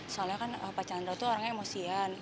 soalnya kan pak chandra tuh orangnya emosian